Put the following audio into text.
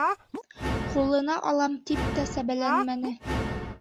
Ҡулына алам тип тә сәбәләнмәне.